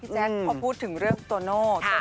พี่แจ๊คพอพูดถึงเรื่องตัวโน้คมากมายนะค่ะ